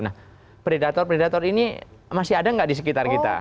nah predator predator ini masih ada nggak di sekitar kita